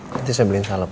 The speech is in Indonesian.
nanti saya beliin salep ya